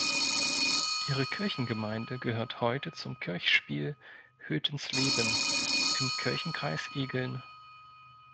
Ihre Kirchengemeinde gehört heute zum Kirchspiel Hötensleben im Kirchenkreis Egeln.